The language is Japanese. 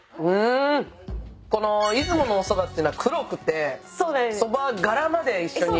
この出雲のおそばっていうのは黒くてそば殻まで一緒にひく。